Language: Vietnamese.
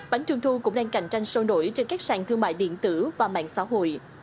bánh trung thu cũng đang cạnh tranh sâu nổi trên các sàn thương mại điện tử và mạng xã hội